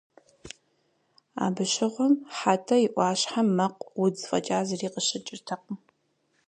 Абы щыгъуэм Хьэтӏэ и ӏуащхьэм мэкъу, удз фӏэкӏа зыри къыщыкӏыртэкъым.